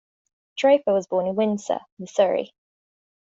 Draper was born in Windsor, Missouri.